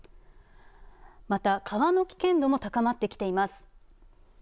また川の危険度も高まってきています。